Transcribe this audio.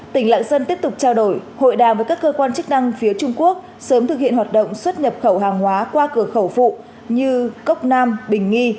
tỉnh lạng sơn tiếp tục trao đổi hội đàm với các cơ quan chức năng phía trung quốc sớm thực hiện hoạt động xuất nhập khẩu hàng hóa qua cửa khẩu phụ như cốc nam bình nghi